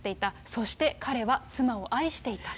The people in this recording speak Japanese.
そして、彼は妻を愛していた。